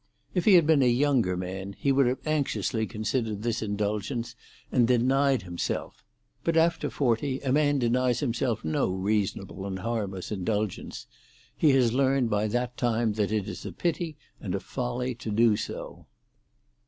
If he had been a younger man he would have anxiously considered this indulgence and denied himself, but after forty a man denies himself no reasonable and harmless indulgence; he has learned by that time that it is a pity and a folly to do so.